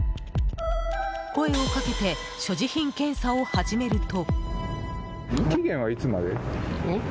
声をかけて所持品検査を始めると。